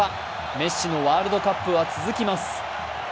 メッシのワールドカップは続きます。